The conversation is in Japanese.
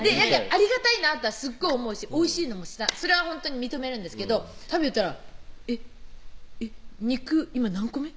ありがたいなとはすごい思うしおいしいのもそれはほんとに認めるんですけど食べてたら「えっ肉今何個目？」